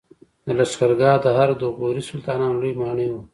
د لښکرګاه د ارک د غوري سلطانانو لوی ماڼۍ وه